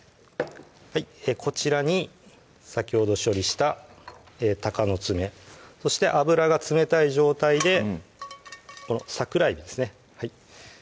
こちらに先ほど処理したたかのつめそして油が冷たい状態でこの桜えびですね